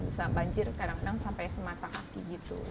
bisa banjir kadang kadang sampai semata kaki gitu